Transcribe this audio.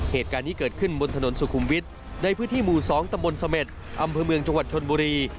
เหตุการณ์นี้เกิดขึ้นบนถนนสุขุมวิทย์ในพื้นที่หมู่๒ตำบลเสม็ดอำเภอเมืองจังหวัดชนบุรี